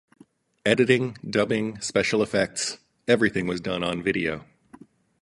Editing, dubbing, special effects-everything was done on video.